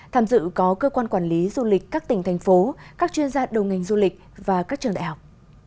tham dự có cơ quan quản lý du lịch các tỉnh thành phố các chuyên gia đầu ngành du lịch và các trường đại học